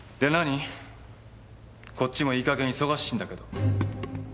こっちもいいかげん忙しいんだけど。